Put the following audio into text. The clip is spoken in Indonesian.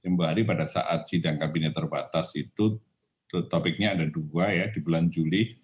mbak ari pada saat sidang kabinet terbatas itu topiknya ada dua ya di bulan juli